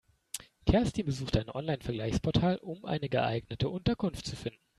Kerstin besuchte ein Online-Vergleichsportal, um eine geeignete Unterkunft zu finden.